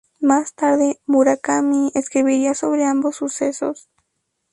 Más tarde Murakami escribiría sobre ambos sucesos.